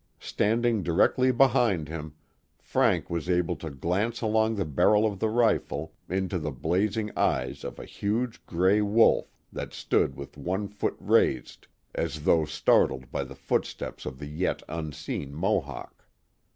Standing directly behind him, Frank was able to glance along the barrel of the rifle into the blazing eyes of a huge gray wolf that stood with one foot raised, as Legend of Mrs. Ross 249 though startled by the footsteps of the yet unseen Mohawk.